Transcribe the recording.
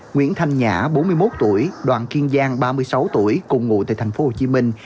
nguyễn thanh nhã bốn mươi một tuổi đoàn kiên giang ba mươi sáu tuổi cùng ngụ tại thành phố hồ chí minh